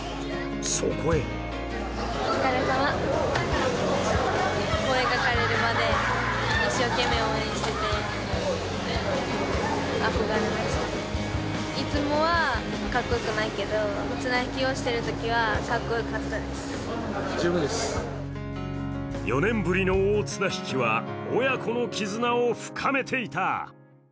そこへ４年ぶりの大綱引は親子の絆を深めていた。